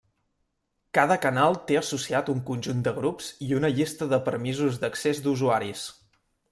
Cada canal té associat un conjunt de grups i una llista de permisos d'accés d'usuaris.